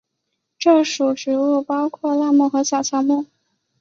这属植物包括灌木和小乔木。